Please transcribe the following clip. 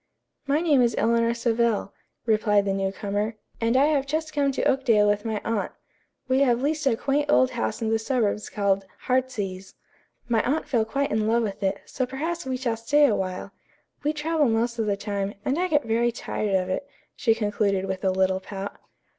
"My name is Eleanor Savell," replied the new comer, "and I have just come to Oakdale with my aunt. We have leased a quaint old house in the suburbs called 'Heartsease.' My aunt fell quite in love with it, so perhaps we shall stay awhile. We travel most of the time, and I get very tired of it," she concluded with a little pout.